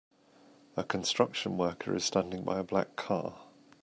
A construction worker is standing by a black car.